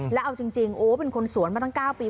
แล้วเอาจริงโอ้เป็นคนสวนมาตั้ง๙ปี